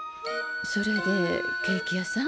それでケーキ屋さん？